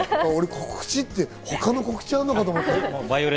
告知って、他の告知かと思った。